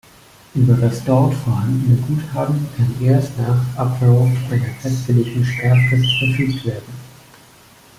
Über das dort vorhandene Guthaben kann erst nach Ablauf einer festgelegten Sperrfrist verfügt werden.